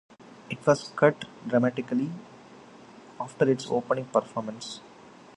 It was cut dramatically after its opening performance.